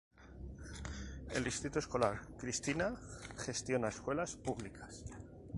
El Distrito Escolar Christina gestiona escuelas públicas.